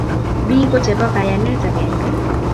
Biko chebo kayanet agenge